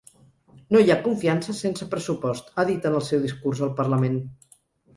No hi ha confiança sense pressupost, ha dit en el seu discurs al parlament.